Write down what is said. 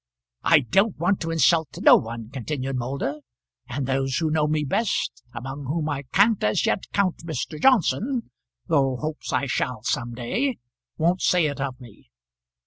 "I don't want to insult no one," continued Moulder; "and those who know me best, among whom I can't as yet count Mr. Johnson, though hopes I shall some day, won't say it of me."